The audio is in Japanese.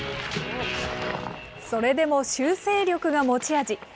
それでも修正力が持ち味。